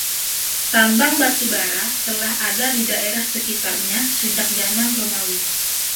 Tambang batubara telah ada di daerah sekitarnya sejak zaman Romawi.